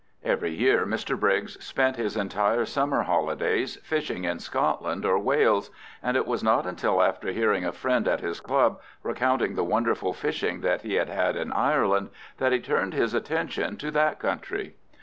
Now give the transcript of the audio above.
Every year Mr Briggs spent his entire summer holidays fishing in Scotland or Wales, and it was not until after hearing a friend at his club recounting the wonderful fishing that he had had in Ireland that he turned his attention to that country.